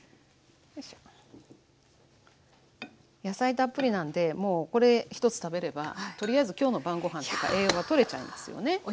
野菜たっぷりなんでもうこれ一つ食べればとりあえず今日の晩ごはんとか栄養がとれちゃいますよね。